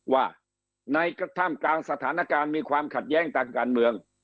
ว่าในท่ามกลางสถานการณ์มีความขัดแย้งทางการเมือง